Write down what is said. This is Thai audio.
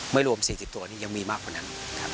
ไม่รวม๔๐ตัวนี้ยังมีมากกว่านั้น